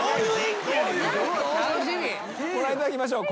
ご覧いただきましょう。